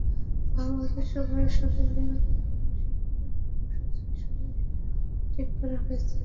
বাংলাদেশের সময়ের সঙ্গে মিল রেখেই প্রশিক্ষণ কর্মসূচির সময় ঠিক করা হয়েছে।